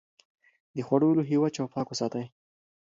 د خوړو لوښي وچ او پاک وساتئ.